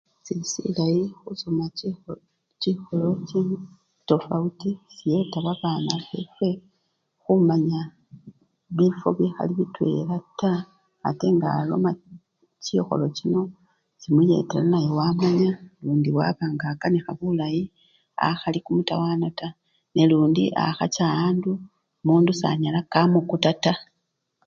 Sili silayi khusoma chikho! chikholo chili tafawuti, chiyeta ababana befwe khumanya bifwo bikhali bitwela taa ate ngaloma chikholo chino chimuyeta naye wamanya lundi waba nga akanikha bulayi akhali kumutawana taa nalundi akhacha awandu mundu sanyala kamukuta taa.